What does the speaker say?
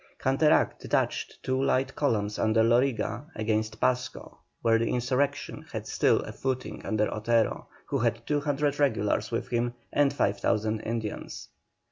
Canterac detached two light columns under Loriga against Pasco, where the insurrection had still a footing under Otero, who had 200 regulars with him and 5,000 Indians.